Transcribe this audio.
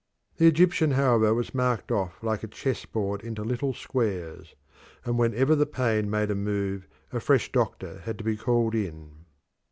The Egyptian, however, was marked off like a chess board into little squares, and whenever the pain made a move a fresh doctor had to be called in.